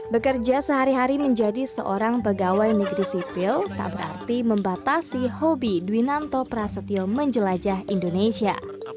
bekerja sehari hari menjadi seorang pegawai negeri sipil tak berarti membatasi hobi dwinanto prasetyo menjelajah indonesia